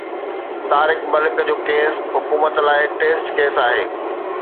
طارق ملڪ جو ڪيس حڪومت لاءِ ٽيسٽ ڪيس آهي.